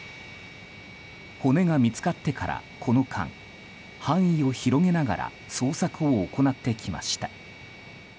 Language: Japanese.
骨が見つかってから、この間範囲を広げながら捜索を行ってきました。